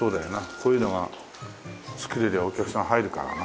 こういうのが作れりゃお客さん入るからな。